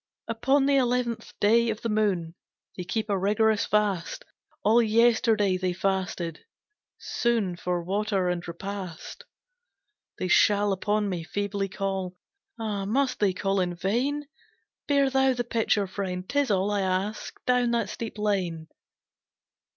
"Upon the eleventh day of the moon They keep a rigorous fast, All yesterday they fasted; soon For water and repast "They shall upon me feebly call! Ah, must they call in vain? Bear thou the pitcher, friend 'tis all I ask down that steep lane."